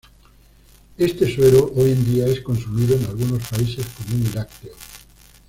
Este suero hoy en día es consumido en algunos países como un lácteo.